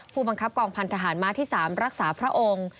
ผู้บังคับกองพันธหารม้าที่๓รักษาพระองค์